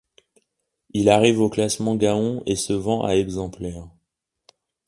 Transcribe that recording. Il arrive au classement Gaon et se vend à exemplaires.